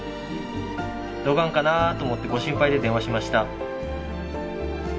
どがんかなと思ってご心配で電話しました。